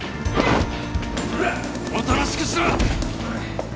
おとなしくしろ！